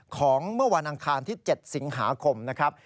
ของเมื่อวันอังคารที่๗สิงหาคมนะครับ